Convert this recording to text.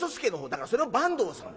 「だからそれは坂東さん。